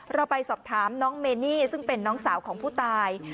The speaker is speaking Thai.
เราไปสอบถามน้องเมนี่ซึ่งเป็นน้องสาวของผู้ตาย